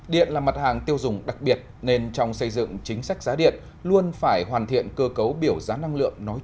điện là mặt hàng tiêu dùng đặc biệt nên trong xây dựng chính sách giá điện luôn phải hoàn thiện cơ cấu biểu giá năng lượng nói chung và giá điện nói riêng